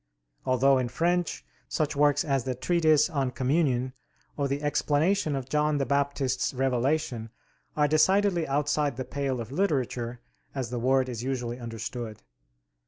Although in French, such works as the 'Treatise on Communion' or the 'Explanation of John the Baptist's Revelation' are decidedly outside the pale of literature, as the word is usually understood.